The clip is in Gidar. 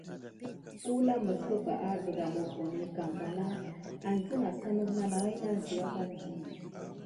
Əwla miɓebaha sika mohoni kam bana aki mimedint kualkum di.